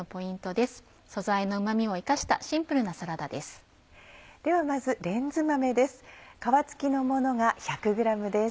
ではまずレンズ豆です。